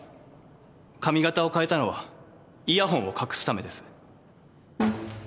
髪形を変えたのはイヤホンを隠すためです。